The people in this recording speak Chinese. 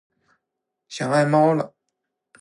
想爱猫了